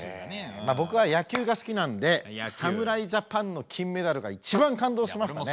まあ僕は野球が好きなんで侍ジャパンの金メダルが一番感動しましたね。